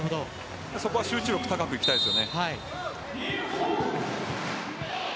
そこは集中力高くいきたいです。